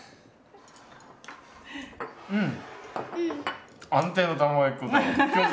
うん！